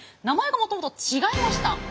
名前がもともと違いました。